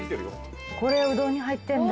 これ、うどんに入ってるんだ。